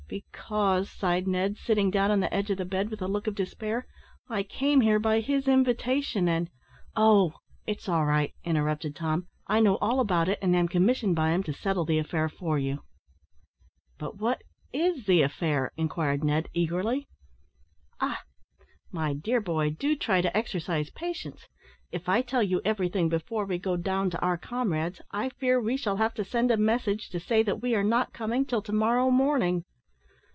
"Because," sighed Ned, sitting down on the edge of the bed, with a look of despair, "I came here by his invitation; and " "Oh! it's all right," interrupted Tom; "I know all about it, and am commissioned by him to settle the affair for you." "But what is the affair?" inquired Ned, eagerly. "Ah! my dear boy, do try to exercise patience. If I tell you everything before we go down to our comrades, I fear we shall have to send a message to say that we are not coming till to morrow morning."